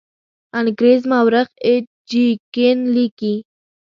انګریز مورخ ایچ جي کین لیکي.